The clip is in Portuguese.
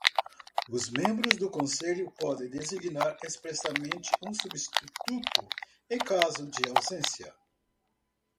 Os membros do Conselho podem designar expressamente um substituto em caso de ausência.